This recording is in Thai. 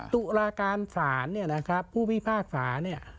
ตุลการศาลผู้พีภาคฝา